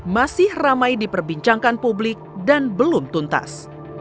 masih ramai diperbincangkan publik dan belum tuntas